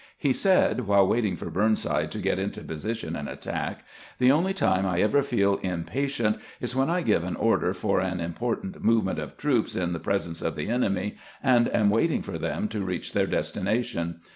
He said, while waiting for Burnside to get into position and attack: " The only time I ever feel impatient is when I give an order for an important movement of troops in the pres ence of the enemy, and am waiting for them to reach their destination.